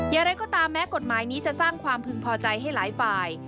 อย่างไรก็ตามแม้กฎหมายนี้จะสร้างความพึงพอใจให้หลายฝ่าย